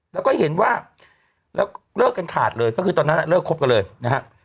แล้วก็เห็นว่าแล้วเลิกกันขาดเลยก็คือตอนนั้นเลิกคบกันเลยนะฮะ